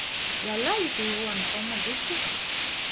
Lallaik eo eñ un tamm a-wechoù.